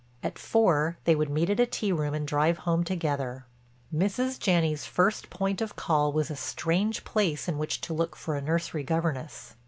At four they would meet at a tea room and drive home together. Mrs. Janney's first point of call was a strange place in which to look for a nursery governess.